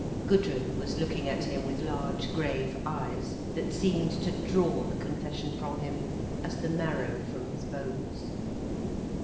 Gudrun was looking at him with large, grave eyes, that seemed to draw the confession from him as the marrow from his bones.